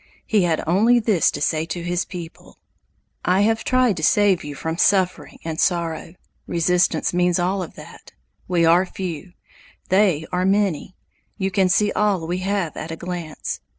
He had only this to say to his people: "I have tried to save you from suffering and sorrow. Resistance means all of that. We are few. They are many. You can see all we have at a glance.